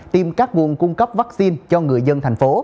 tìm các nguồn cung cấp vaccine cho người dân thành phố